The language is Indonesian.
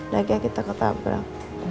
lagi kita ketabrak